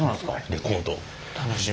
レコード楽しみ。